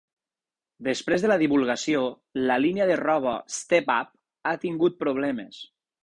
Després de la divulgació, la línia de roba de StepApp ha tingut problemes.